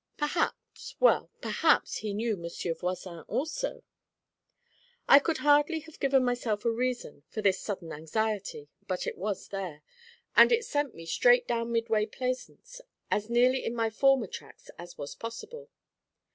Perhaps well, perhaps he knew Monsieur Voisin also. I could hardly have given myself a reason for this sudden anxiety, but it was there, and it sent me straight down Midway Plaisance, as nearly in my former tracks as was possible.